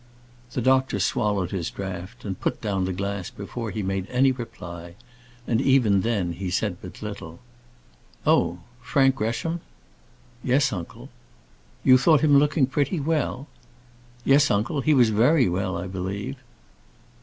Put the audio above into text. The doctor swallowed his draught, and put down the glass before he made any reply, and even then he said but little. "Oh! Frank Gresham." "Yes, uncle." "You thought him looking pretty well?" "Yes, uncle; he was very well, I believe."